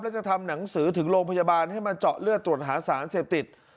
แล้วจะทำหนังสือถึงโรงพยาบาลให้มาเจาะเลือดตรวจหาสารเสพติด